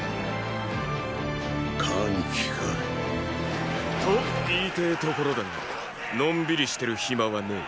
桓騎か。と言いてェところだがのんびりしてるヒマはねェ。